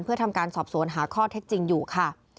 เพื่อทำการสอบสวนหาข้อเท็จจริงอยู่ค่ะ